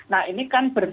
nah ini kan berbeda